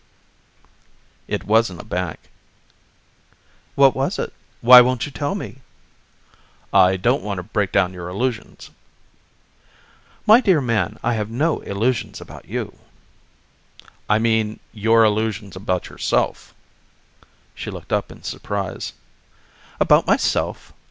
"It wasn't a bank." "What was it? Why won't you tell me?" "I don't want to break down your illusions." "My dear man, I have no illusions about you." "I mean your illusions about yourself." She looked up in surprise. "About myself!